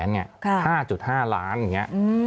๕๕ล้านอย่างนี้